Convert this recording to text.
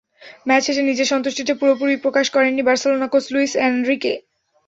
Match শেষে নিজের সন্তুষ্টিটা পুরোপুরি প্রকাশ করেননি বার্সেলোনা কোচ লুইস এনরিকে।